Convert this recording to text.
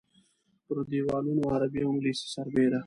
پر دیوالونو عربي او انګلیسي سربېره.